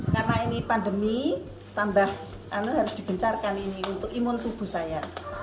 karena ini pandemi tambah harus digencarkan ini untuk imun tubuh saya